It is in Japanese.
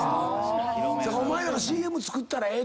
お前らがＣＭ作ったらええと。